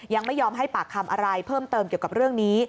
ยังไม่ยอมให้ปากคำอะไรเพิ่มเติมเกี่ยวกับเรื่องนี้